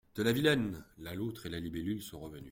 De la Vilaine ! La loutre et la libellule sont revenues.